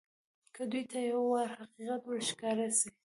که دوى ته يو وار حقيقت ورښکاره سي.